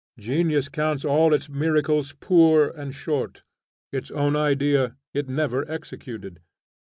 Genius counts all its miracles poor and short. Its own idea it never executed.